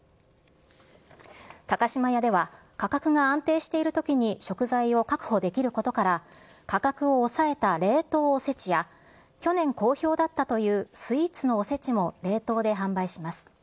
高島屋では価格が安定しているときに食材を確保できることから、価格を抑えた冷凍おせちや、去年、好評だったというスイーツのおせちも冷凍で販売します。